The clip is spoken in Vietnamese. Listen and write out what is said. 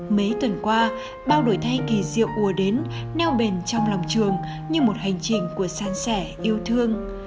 mấy tuần qua bao đổi thay kỳ diệu ùa đến neo bền trong lòng trường như một hành trình của san sẻ yêu thương